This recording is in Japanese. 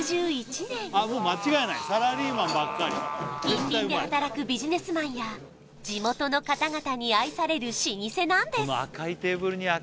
近隣で働くビジネスマンや地元の方々に愛される老舗なんです